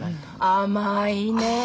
甘いねえ。